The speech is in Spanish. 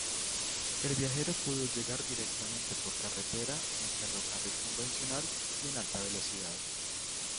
El viajero puede llegar directamente por carretera, en ferrocarril convencional y en alta velocidad.